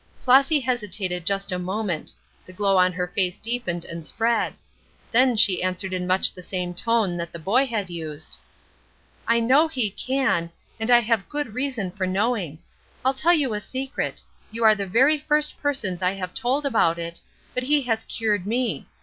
Flossy hesitated just a moment; the glow on her face deepened and spread. Then she answered in much the same tone that the boy had used: "I know he can, and I have good reason for knowing. I'll tell you a secret; you are the very first persons I have told about it, but he has cured me.